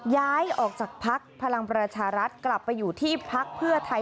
ย้ายออกจากพักพรรรกลับไปอยู่ที่พักเพื่อไทย